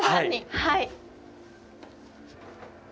はい。